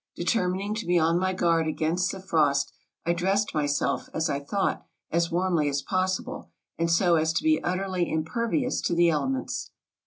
Determining to be on my guard against the frost, I dressed myself, as I thought, as warmly as possible, and so as to be utterly impervious to the elements.